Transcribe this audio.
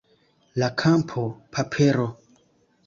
La kampo, papero